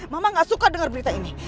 mama gak suka dengar berita ini